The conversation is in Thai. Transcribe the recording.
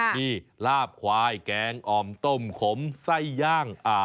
มีลาบควายแกงอ่อมต้มขมไส้ย่าง